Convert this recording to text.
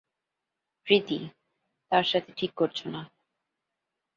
প্রীতি, তার সাথে ঠিক করছো না।